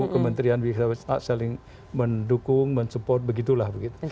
kementerian bisa saling mendukung mensupport begitulah begitu